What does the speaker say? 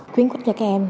khuyến khích cho các em